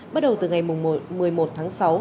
bắt đầu từ ngày một mươi một tháng sáu